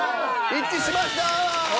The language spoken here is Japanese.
一致しました！